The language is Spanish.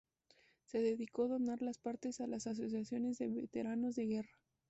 Se decidió donar las partes a las asociaciones de veteranos de guerra.